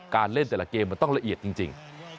การเล่นแต่ละเกมมันต้องละเอียดจริง